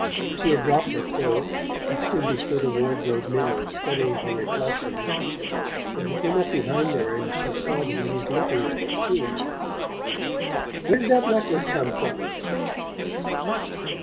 She had dropped her cloak and stood before the wardrobe mirror studying her reflection when he came up behind her and she saw that he was looking at it too. "Where did that necklace come from?"